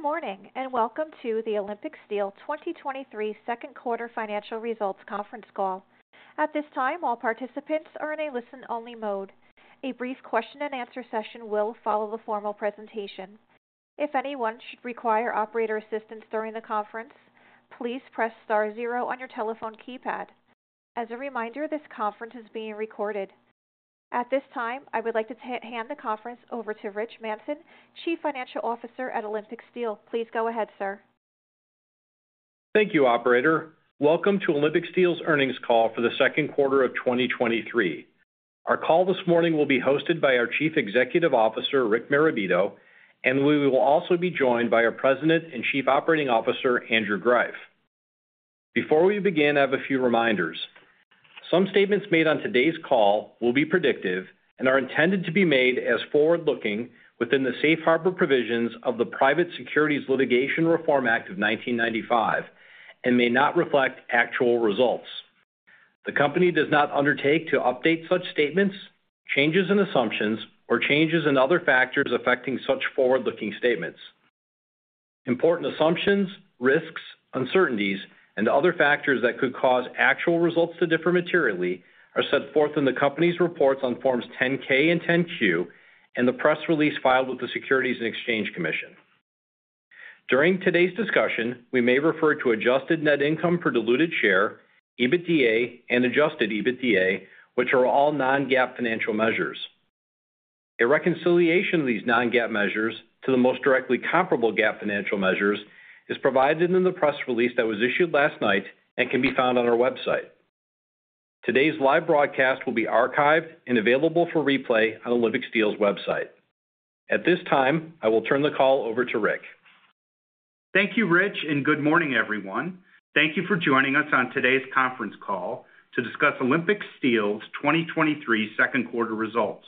Good morning, and welcome to the Olympic Steel 2023 second quarter financial results conference call. At this time, all participants are in a listen-only mode. A brief question-and-answer session will follow the formal presentation. If anyone should require operator assistance during the conference, please press star zero on your telephone keypad. As a reminder, this conference is being recorded. At this time, I would like to hand the conference over to Rich Manson, Chief Financial Officer at Olympic Steel. Please go ahead, sir. Thank you, operator. Welcome to Olympic Steel's earnings call for the second quarter of 2023. Our call this morning will be hosted by our Chief Executive Officer, Rick Marabito, and we will also be joined by our President and Chief Operating Officer, Andrew Greiff. Before we begin, I have a few reminders. Some statements made on today's call will be predictive and are intended to be made as forward-looking within the safe harbor provisions of the Private Securities Litigation Reform Act of 1995 and may not reflect actual results. The company does not undertake to update such statements, changes in assumptions, or changes in other factors affecting such forward-looking statements. Important assumptions, risks, uncertainties, and other factors that could cause actual results to differ materially are set forth in the company's reports on Forms 10-K and 10-Q, and the press release filed with the Securities and Exchange Commission. During today's discussion, we may refer to adjusted net income per diluted share, EBITDA, and adjusted EBITDA, which are all non-GAAP financial measures. A reconciliation of these non-GAAP measures to the most directly comparable GAAP financial measures is provided in the press release that was issued last night and can be found on our website. Today's live broadcast will be archived and available for replay on Olympic Steel's website. At this time, I will turn the call over to Rick. Thank you, Rich, and good morning, everyone. Thank you for joining us on today's conference call to discuss Olympic Steel's 2023 second quarter results.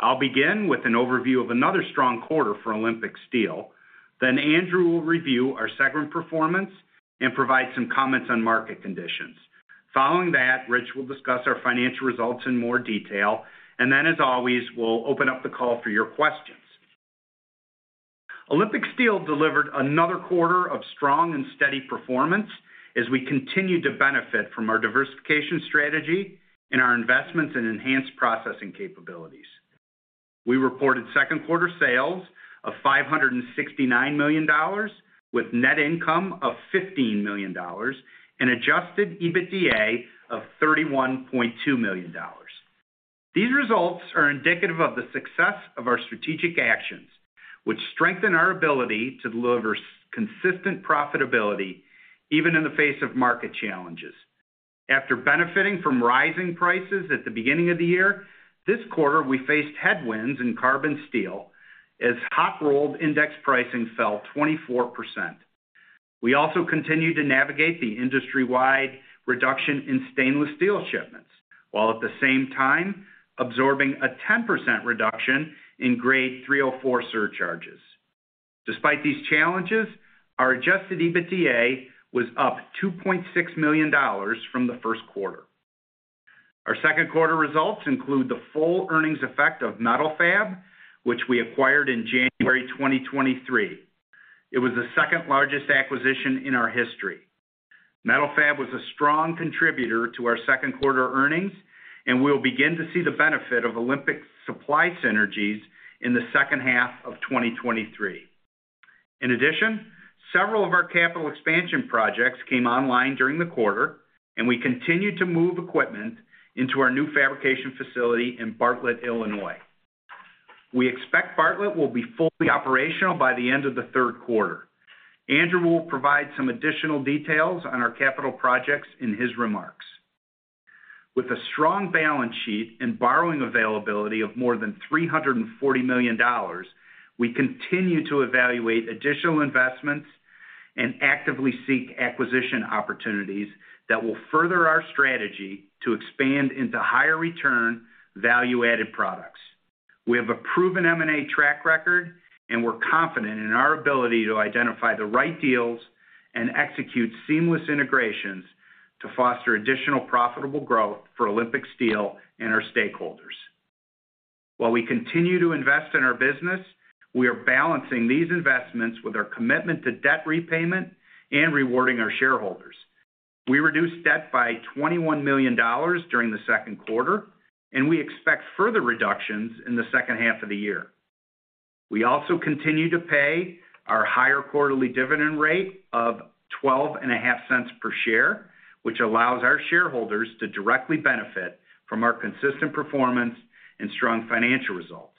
I'll begin with an overview of another strong quarter for Olympic Steel. Andrew will review our segment performance and provide some comments on market conditions. Following that, Rich will discuss our financial results in more detail, and then, as always, we'll open up the call for your questions. Olympic Steel delivered another quarter of strong and steady performance as we continued to benefit from our diversification strategy and our investments in enhanced processing capabilities. We reported second quarter sales of $569 million, with net income of $15 million and adjusted EBITDA of $31.2 million. These results are indicative of the success of our strategic actions, which strengthen our ability to deliver consistent profitability, even in the face of market challenges. After benefiting from rising prices at the beginning of the year, this quarter, we faced headwinds in carbon steel as hot rolled index pricing fell 24%. We also continued to navigate the industry-wide reduction in stainless steel shipments, while at the same time absorbing a 10% reduction in Grade 304 surcharges. Despite these challenges, our adjusted EBITDA was up $2.6 million from the first quarter. Our second quarter results include the full earnings effect of Metal-Fab, which we acquired in January 2023. It was the second-largest acquisition in our history. Metal-Fab was a strong contributor to our second quarter earnings, and we will begin to see the benefit of Olympic's supply synergies in the second half of 2023. In addition, several of our capital expansion projects came online during the quarter, and we continued to move equipment into our new fabrication facility in Bartlett, Illinois. We expect Bartlett will be fully operational by the end of the third quarter. Andrew will provide some additional details on our capital projects in his remarks. With a strong balance sheet and borrowing availability of more than $340 million, we continue to evaluate additional investments and actively seek acquisition opportunities that will further our strategy to expand into higher-return, value-added products. We have a proven M&A track record. We're confident in our ability to identify the right deals and execute seamless integrations to foster additional profitable growth for Olympic Steel and our stakeholders. While we continue to invest in our business, we are balancing these investments with our commitment to debt repayment and rewarding our shareholders. We reduced debt by $21 million during the second quarter. We expect further reductions in the second half of the year. We also continue to pay our higher quarterly dividend rate of $0.125 per share, which allows our shareholders to directly benefit from our consistent performance and strong financial results.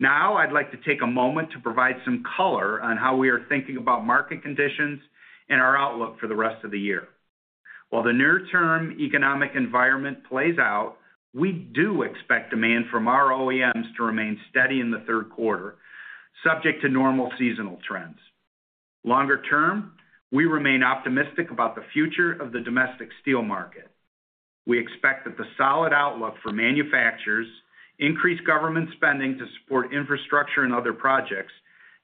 I'd like to take a moment to provide some color on how we are thinking about market conditions and our outlook for the rest of the year. While the near-term economic environment plays out, we do expect demand from our OEMs to remain steady in the third quarter, subject to normal seasonal trends. Longer term, we remain optimistic about the future of the domestic steel market. We expect that the solid outlook for manufacturers, increased government spending to support infrastructure and other projects,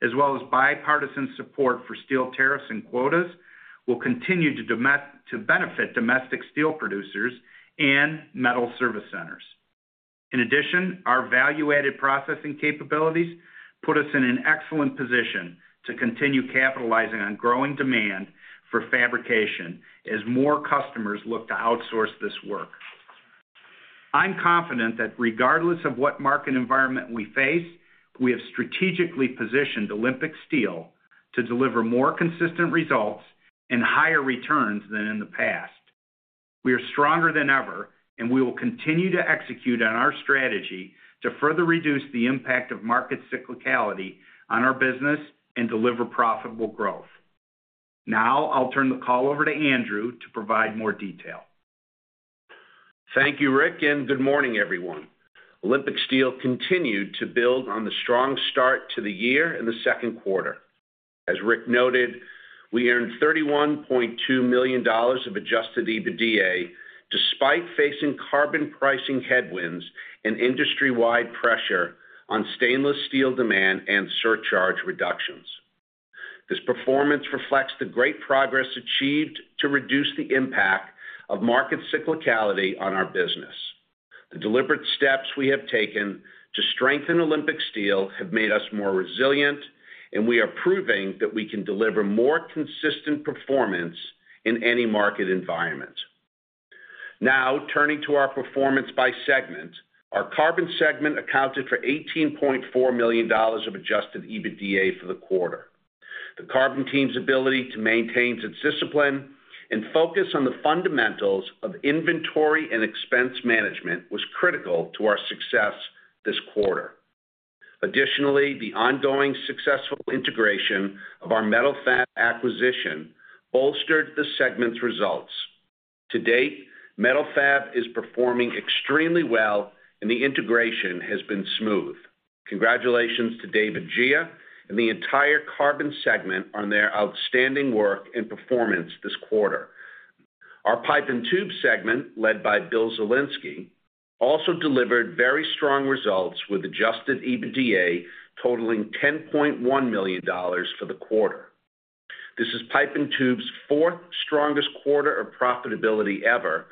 as well as bipartisan support for steel tariffs and quotas, will continue to benefit domestic steel producers and metal service centers. In addition, our value-added processing capabilities put us in an an excellent position to continue capitalizing on growing demand for fabrication as more customers look to outsource this work. I'm confident that regardless of what market environment we face, we have strategically positioned Olympic Steel to deliver more consistent results and higher returns than in the past. We are stronger than ever, and we will continue to execute on our strategy to further reduce the impact of market cyclicality on our business and deliver profitable growth. Now, I'll turn the call over to Andrew to provide more detail. Thank you, Rick. Good morning, everyone. Olympic Steel continued to build on the strong start to the year in the second quarter. As Rick noted, we earned $31.2 million of adjusted EBITDA, despite facing carbon pricing headwinds and industry-wide pressure on stainless steel demand and surcharge reductions. This performance reflects the great progress achieved to reduce the impact of market cyclicality on our business. The deliberate steps we have taken to strengthen Olympic Steel have made us more resilient. We are proving that we can deliver more consistent performance in any market environment. Now, turning to our performance by segment. Our carbon segment accounted for $18.4 million of adjusted EBITDA for the quarter. The carbon team's ability to maintain its discipline and focus on the fundamentals of inventory and expense management was critical to our success this quarter. Additionally, the ongoing successful integration of our Metal-Fab acquisition bolstered the segment's results. To date, Metal-Fab is performing extremely well, and the integration has been smooth. Congratulations to David Gea and the entire carbon segment on their outstanding work and performance this quarter. Our Pipe and Tube segment, led by Bill Zielinski, also delivered very strong results, with adjusted EBITDA totaling $10.1 million for the quarter. This is Pipe and Tube's fourth strongest quarter of profitability ever,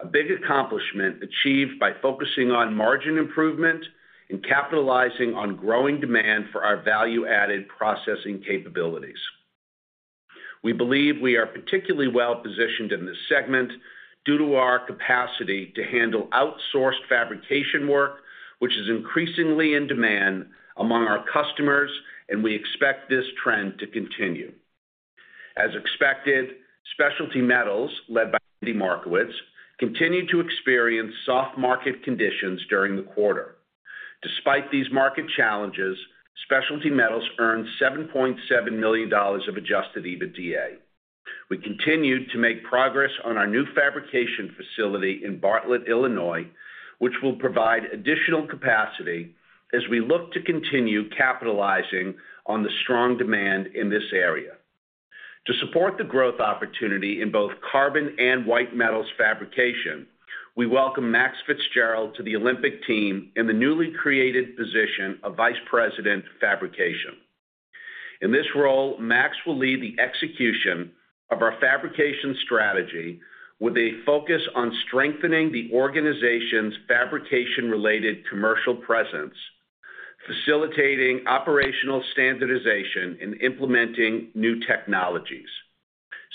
a big accomplishment achieved by focusing on margin improvement and capitalizing on growing demand for our value-added processing capabilities. We believe we are particularly well-positioned in this segment due to our capacity to handle outsourced fabrication work, which is increasingly in demand among our customers, and we expect this trend to continue. As expected, Specialty Metals, led by Andy Markowitz, continued to experience soft market conditions during the quarter. Despite these market challenges, Specialty Metals earned $7.7 million of adjusted EBITDA. We continued to make progress on our new fabrication facility in Bartlett, Illinois, which will provide additional capacity as we look to continue capitalizing on the strong demand in this area. To support the growth opportunity in both carbon and white metals fabrication, we welcome Max Fitzgerald to the Olympic team in the newly created position of Vice President, Fabrication. In this role, Max will lead the execution of our fabrication strategy with a focus on strengthening the organization's fabrication-related commercial presence, facilitating operational standardization, and implementing new technologies.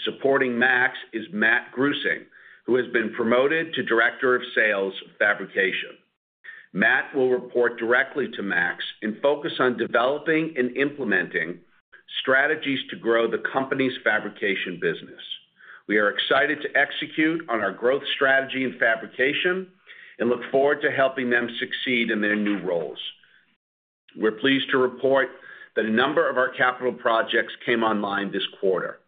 Supporting Max is Matt Grussing, who has been promoted to Director of Sales, Fabrication. Matt will report directly to Max and focus on developing and implementing strategies to grow the company's fabrication business. We are excited to execute on our growth strategy in fabrication and look forward to helping them succeed in their new roles. We're pleased to report that a number of our capital projects came online this quarter.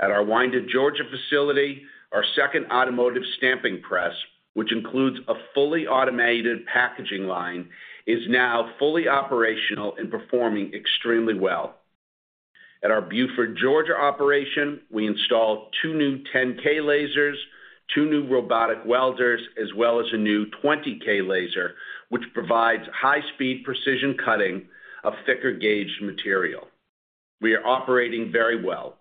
At our Winder, Georgia, facility, our second automotive stamping press, which includes a fully automated packaging line, is now fully operational and performing extremely well. At our Buford, Georgia, operation, we installed two new 10K lasers, two new robotic welders, as well as a new 20K laser, which provides high-speed precision cutting of thicker-gauge material. We are operating very well.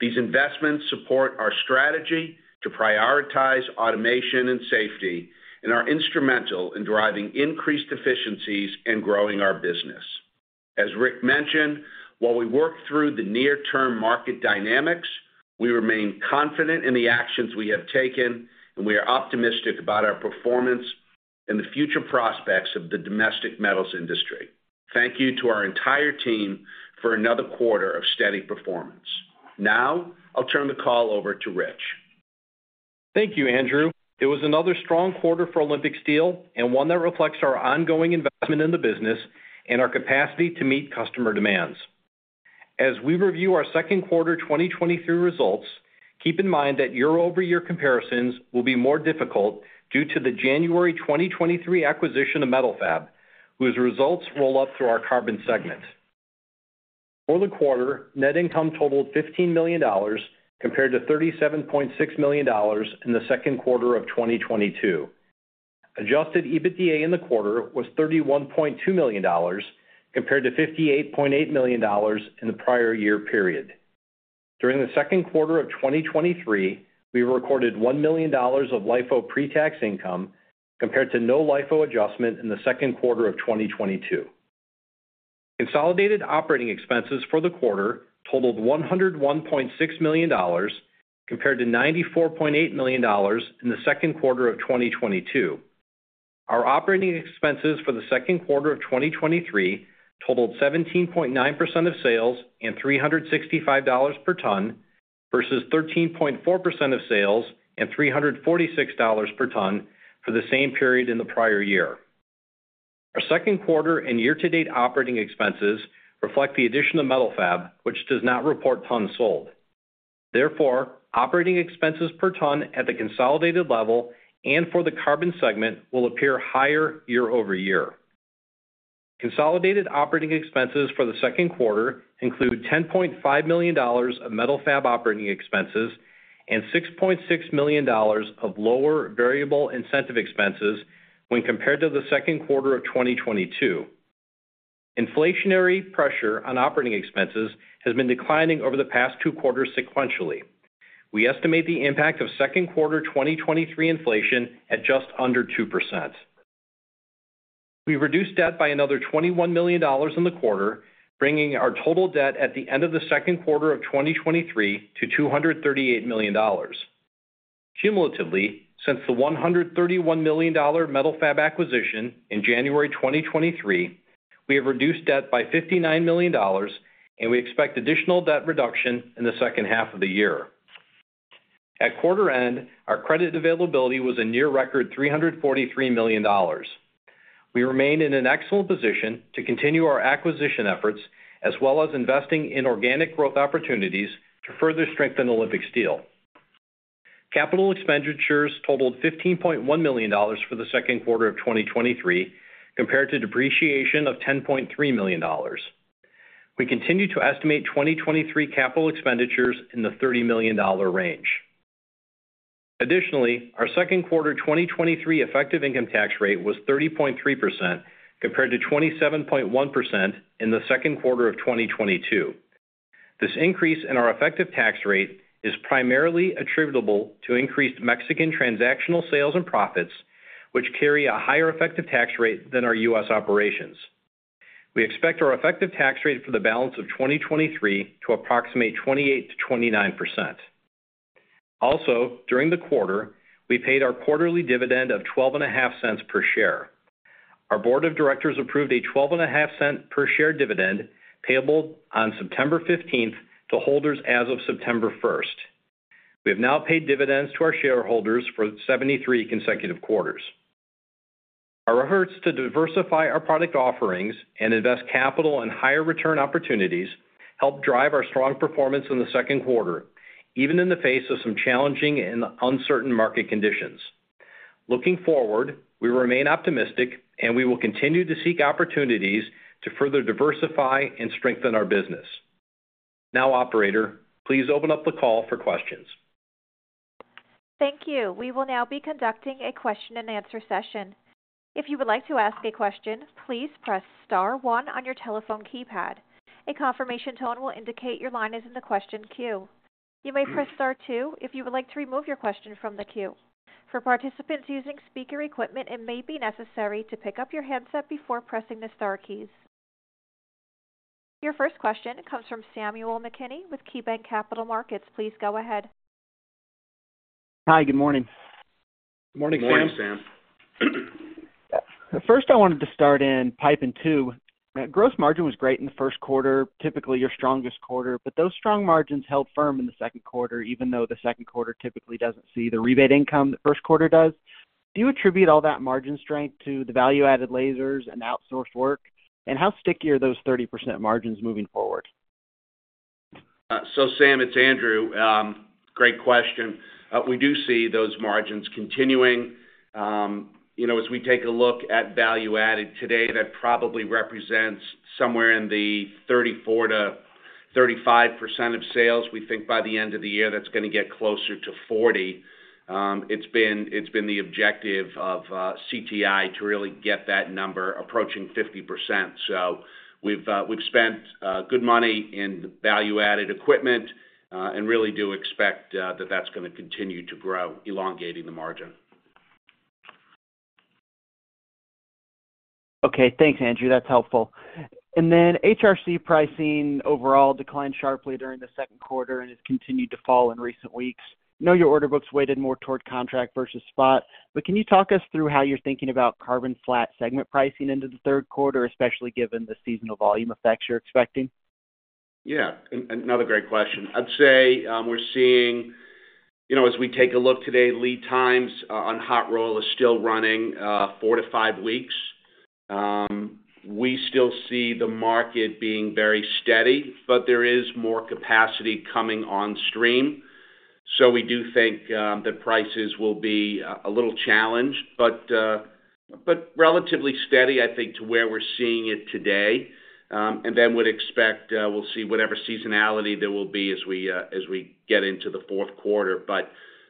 These investments support our strategy to prioritize automation and safety and are instrumental in driving increased efficiencies and growing our business. As Rick mentioned, while we work through the near-term market dynamics, we remain confident in the actions we have taken, and we are optimistic about our performance and the future prospects of the domestic metals industry. Thank you to our entire team for another quarter of steady performance. Now, I'll turn the call over to Rich. Thank you, Andrew. It was another strong quarter for Olympic Steel and one that reflects our ongoing investment in the business and our capacity to meet customer demands. As we review our second quarter 2023 results, keep in mind that year-over-year comparisons will be more difficult due to the January 2023 acquisition of Metal-Fab, whose results roll up through our Carbon segment. For the quarter, net income totaled $15 million, compared to $37.6 million in the second quarter of 2022. Adjusted EBITDA in the quarter was $31.2 million, compared to $58.8 million in the prior year period. During the second quarter of 2023, we recorded $1 million of LIFO pre-tax income, compared to no LIFO adjustment in the second quarter of 2022. Consolidated operating expenses for the quarter totaled $101.6 million, compared to $94.8 million in the second quarter of 2022. Our operating expenses for the second quarter of 2023 totaled 17.9% of sales and $365 per ton, versus 13.4% of sales and $346 per ton for the same period in the prior year. Our second quarter and year-to-date operating expenses reflect the addition of Metal-Fab, which does not report tons sold. Therefore, operating expenses per ton at the consolidated level and for the carbon segment will appear higher year-over-year. Consolidated operating expenses for the second quarter include $10.5 million of Metal-Fab operating expenses and $6.6 million of lower variable incentive expenses when compared to the second quarter of 2022. Inflationary pressure on operating expenses has been declining over the past two quarters sequentially. We estimate the impact of second quarter 2023 inflation at just under 2%. We reduced debt by another $21 million in the quarter, bringing our total debt at the end of the second quarter of 2023 to $238 million. Cumulatively, since the $131 million Metal-Fab acquisition in January 2023, we have reduced debt by $59 million, and we expect additional debt reduction in the second half of the year. At quarter end, our credit availability was a near record $343 million. We remain in an excellent position to continue our acquisition efforts, as well as investing in organic growth opportunities to further strengthen Olympic Steel. Capital expenditures totaled $15.1 million for the second quarter of 2023, compared to depreciation of $10.3 million. We continue to estimate 2023 capital expenditures in the $30 million range. Additionally, our second quarter 2023 effective income tax rate was 30.3%, compared to 27.1% in the second quarter of 2022. This increase in our effective tax rate is primarily attributable to increased Mexican transactional sales and profits, which carry a higher effective tax rate than our U.S. operations. We expect our effective tax rate for the balance of 2023 to approximate 28%-29%. During the quarter, we paid our quarterly dividend of $0.125 per share. Our board of directors approved a $0.125 per share dividend, payable on September 15th to holders as of September 1st. We have now paid dividends to our shareholders for 73 consecutive quarters. Our efforts to diversify our product offerings and invest capital in higher return opportunities helped drive our strong performance in the second quarter, even in the face of some challenging and uncertain market conditions. Looking forward, we remain optimistic, and we will continue to seek opportunities to further diversify and strengthen our business. Now, operator, please open up the call for questions. Thank you. We will now be conducting a question-and-answer session. If you would like to ask a question, please press star one on your telephone keypad. A confirmation tone will indicate your line is in the question queue. You may press star two if you would like to remove your question from the queue. For participants using speaker equipment, it may be necessary to pick up your headset before pressing the star keys. Your first question comes from Samuel McKinney with KeyBanc Capital Markets. Please go ahead. Hi, good morning. Good morning, Sam. Good morning, Sam. First, I wanted to start in Pipe and Tube. Gross margin was great in the first quarter, typically your strongest quarter, but those strong margins held firm in the second quarter, even though the second quarter typically doesn't see the rebate income the first quarter does. Do you attribute all that margin strength to the value-added lasers and outsourced work? How sticky are those 30% margins moving forward? Sam, it's Andrew. Great question. We do see those margins continuing. You know, as we take a look at value added today, that probably represents somewhere in the 34%-35% of sales. We think by the end of the year, that's going to get closer to 40. It's been, it's been the objective of CTI to really get that number approaching 50%. We've spent good money in value-added equipment and really do expect that that's gonna continue to grow, elongating the margin. Okay, thanks, Andrew. That's helpful. HRC pricing overall declined sharply during the second quarter and has continued to fall in recent weeks. Know your order books weighted more toward contract versus spot, but can you talk us through how you're thinking about carbon flat segment pricing into the third quarter, especially given the seasonal volume effects you're expecting? Yeah, another great question. I'd say, we're seeing. You know, as we take a look today, lead times on hot roll is still running four to five weeks. We still see the market being very steady, there is more capacity coming on stream. We do think that prices will be a little challenged, but, but relatively steady, I think, to where we're seeing it today. Would expect we'll see whatever seasonality there will be as we as we get into the fourth quarter.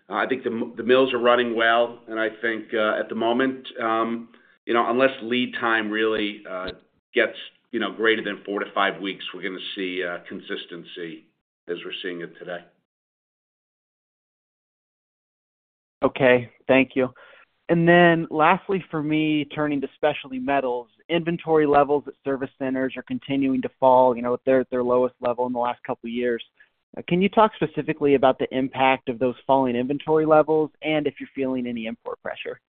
I think the mills are running well, and I think at the moment. You know, unless lead time really gets, you know, greater than four to five weeks, we're gonna see consistency as we're seeing it today. Okay, thank you. Lastly, for me, turning to Specialty Metals, inventory levels at service centers are continuing to fall. You know, they're at their lowest level in the last couple of years. Can you talk specifically about the impact of those falling inventory levels and if you're feeling any import pressure?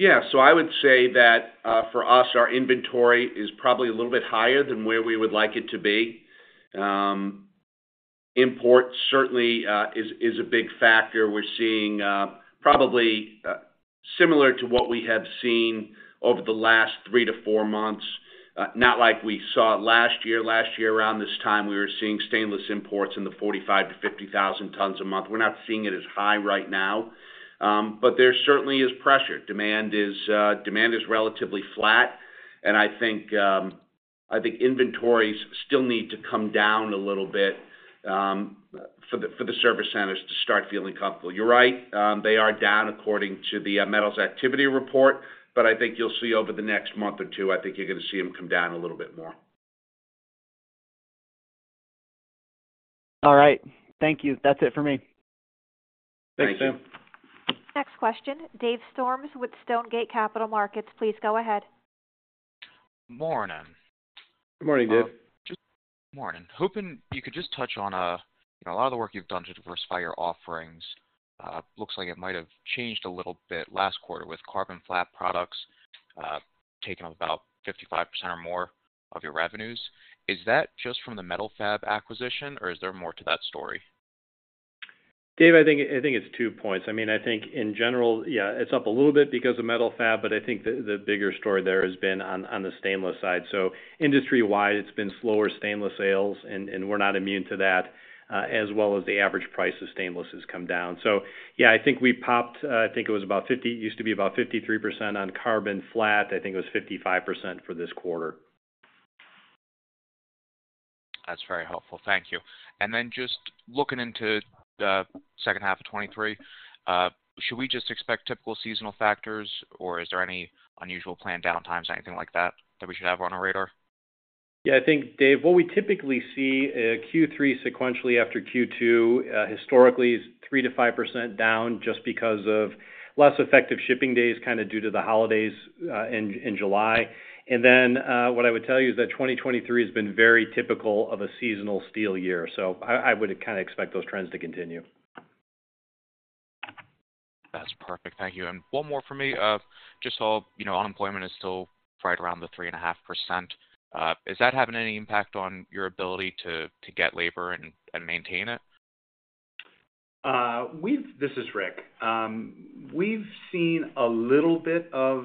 Yeah. I would say that, for us, our inventory is probably a little bit higher than where we would like it to be. Import certainly is a big factor. We're seeing, probably, similar to what we have seen over the last three to four months, not like we saw last year. Last year, around this time, we were seeing stainless imports in the 45,000-50,000 tons a month. We're not seeing it as high right now, but there certainly is pressure. Demand is, demand is relatively flat, and I think, I think inventories still need to come down a little bit, for the service centers to start feeling comfortable. You're right, they are down according to the Metals Activity Report, but I think you'll see. over the next month or two, I think you're gonna see them come down a little bit more. All right. Thank you. That's it for me. Thanks, Sam. Next question, Dave Storms with Stonegate Capital Markets. Please go ahead. Morning. Good morning, Dave. Just morning. Hoping you could just touch on, you know, a lot of the work you've done to diversify your offerings. Looks like it might have changed a little bit last quarter with Carbon Flat Products taking about 55% or more of your revenues. Is that just from the Metal-Fab acquisition, or is there more to that story? Dave, I think, it's two points. I mean, I think in general, yeah, it's up a little bit because of Metal-Fab, but I think the, the bigger story there has been on, on the stainless side. Industry-wide, it's been slower stainless sales, and, and we're not immune to that, as well as the average price of stainless has come down. Yeah, I think we popped, I think it was about 50%, it used to be about 53% on carbon flat. I think it was 55% for this quarter. That's very helpful. Thank you. Just looking into the second half of 2023, should we just expect typical seasonal factors, or is there any unusual planned downtimes, anything like that, that we should have on our radar? Yeah, I think, Dave, what we typically see in Q3 sequentially after Q2, historically is 3%-5% down, just because of less effective shipping days, kind of due to the holidays, in, in July. Then, what I would tell you is that 2023 has been very typical of a seasonal steel year, so I would kind of expect those trends to continue. That's perfect. Thank you. One more for me. Just saw, you know, unemployment is still right around the 3.5%. Is that having any impact on your ability to, to get labor and, and maintain it? This is Rick. We've seen a little bit of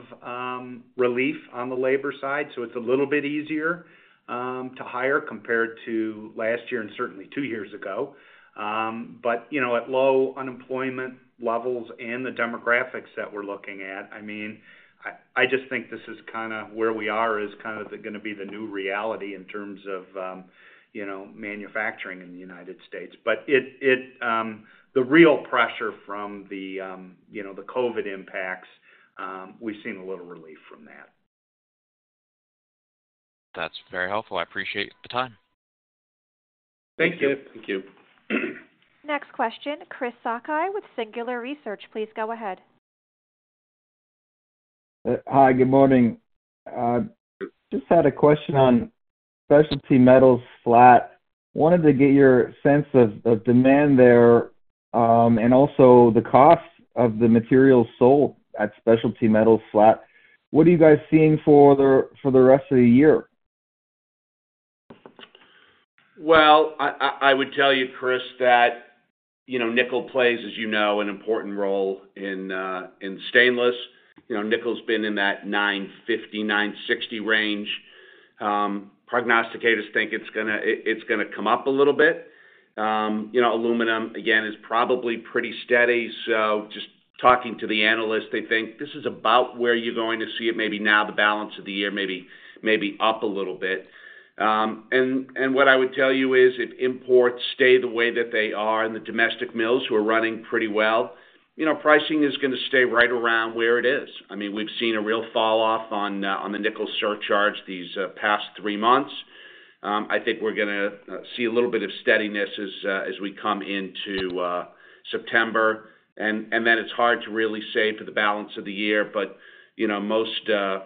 relief on the labor side, so it's a little bit easier to hire compared to last year and certainly two years ago. You know, at low unemployment levels and the demographics that we're looking at, I mean, I, I just think this is kind of where we are, is kind of the, gonna be the new reality in terms of, you know, manufacturing in the United States. It, the real pressure from the, you know, the COVID impacts, we've seen a little relief from that. That's very helpful. I appreciate the time. Thank you. Next question, Chris Sakai with Singular Research. Please go ahead. Hi, good morning. Just had a question on Specialty Metals flat. Wanted to get your sense of demand there, and also the costs of the materials sold at Specialty Metals flat. What are you guys seeing for the rest of the year? Well, I would tell you, Chris, that, you know, nickel plays, as you know, an important role in stainless. You know, nickel's been in that $9.50, $9.60 range. Prognosticators think it's gonna come up a little bit. You know, aluminum, again, is probably pretty steady. Just talking to the analysts, they think this is about where you're going to see it, maybe now, the balance of the year, maybe, maybe up a little bit. What I would tell you is, if imports stay the way that they are, and the domestic mills, who are running pretty well, you know, pricing is gonna stay right around where it is. I mean, we've seen a real fall off on the nickel surcharge these past three months. I think we're gonna see a little bit of steadiness as we come into September. Then it's hard to really say for the balance of the year, but, you know, most are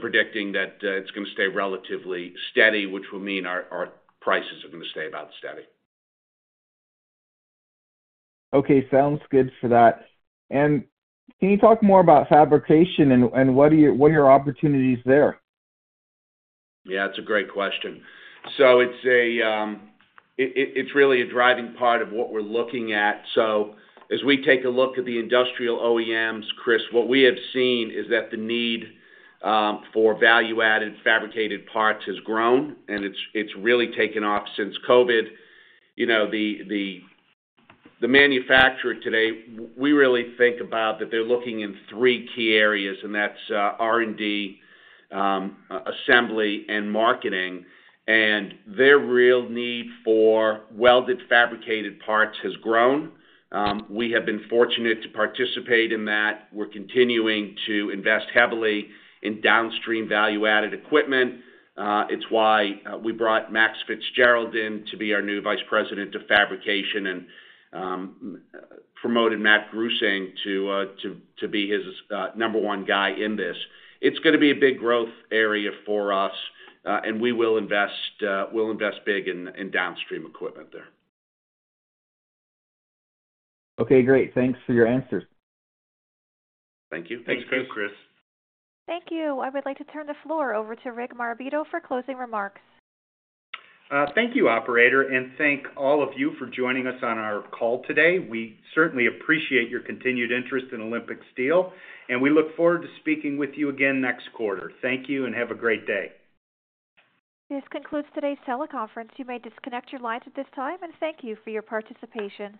predicting that it's gonna stay relatively steady, which will mean our, our prices are gonna stay about steady. Okay. Sounds good for that. Can you talk more about fabrication and what are your opportunities there? Yeah, it's a great question. It's really a driving part of what we're looking at. As we take a look at the industrial OEMs, Chris, what we have seen is that the need for value-added fabricated parts has grown, and it's, it's really taken off since COVID. You know, the manufacturer today, we really think about that they're looking in three key areas, and that's R&D, assembly, and marketing. Their real need for welded, fabricated parts has grown. We have been fortunate to participate in that. We're continuing to invest heavily in downstream value-added equipment. It's why we brought Max Fitzgerald in to be our new Vice President, Fabrication and promoted Matt Grussing to be his number one guy in this. It's gonna be a big growth area for us, and we will invest, we'll invest big in, in downstream equipment there. Okay, great. Thanks for your answers. Thank you. Thanks, Chris. Thank you. I would like to turn the floor over to Rick Marabito for closing remarks. Thank you, operator, and thank all of you for joining us on our call today. We certainly appreciate your continued interest in Olympic Steel, and we look forward to speaking with you again next quarter. Thank you, and have a great day. This concludes today's teleconference. You may disconnect your lines at this time. Thank you for your participation.